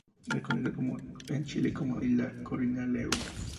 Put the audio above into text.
Es conocida en Chile como isla Curanilahue.